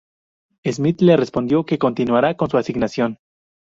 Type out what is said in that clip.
Smith le respondió que continuara con su asignación.